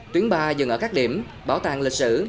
tuyến ba dừng ở các điểm bảo tàng lịch sử